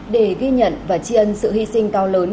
để ghi nhận và chi ân sự hy sinh cao lớn